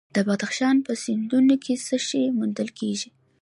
د بدخشان په سیندونو کې څه شی موندل کیږي؟